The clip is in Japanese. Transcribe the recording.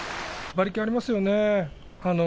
馬力ありますよね。